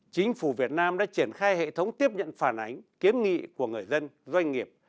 chính phủ việt nam đã triển khai hệ thống tiếp nhận phản ánh kiến nghị của người dân doanh nghiệp